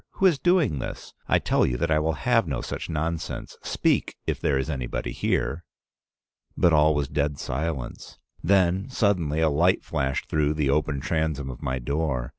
Who is doing this? I tell you I will have no such nonsense. Speak, if there is anybody here.' But all was dead silence. Then suddenly a light flashed through the open transom of my door.